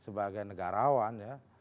sebagai negarawan ya